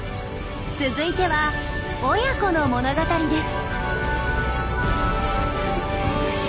続いては親子の物語です。